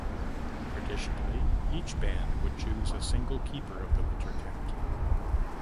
Traditionally each band would choose a single keeper of the winter count.